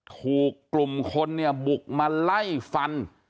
ถูกกลุ่มคนเนี่ยบุกมาไล่ฟัน